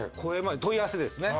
問い合わせですね。